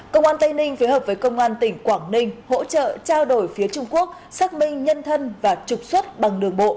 công an tây ninh phối hợp với công an tỉnh quảng ninh hỗ trợ trao đổi phía trung quốc xác minh nhân thân và trục xuất bằng đường bộ